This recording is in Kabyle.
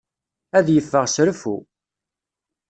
Ad yeffeɣ s reffu.